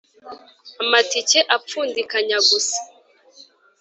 amatike apfundikanya gusa